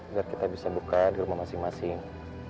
biar kita bisa buka di rumah masing masing